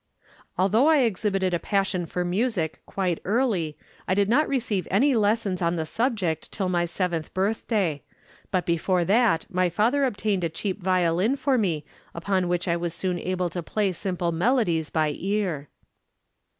"'Although I exhibited a passion for music quite early, I did not receive any lessons on the subject till my seventh birthday, but before that my father obtained a cheap violin for me upon which I was soon able to play simple melodies by ear.'